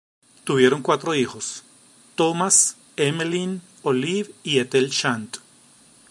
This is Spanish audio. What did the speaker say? Tuvieron cuatro hijos: Thomas, Emmeline, Olive y Ethel Chant.